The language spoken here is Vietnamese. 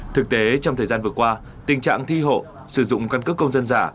thực tế trong thời gian vừa qua tình trạng thi hộ sử dụng căn cứ công dân dạ